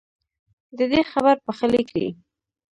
ددې خبر پخلی کړی